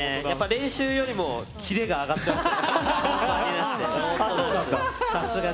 練習よりもキレが上がってました。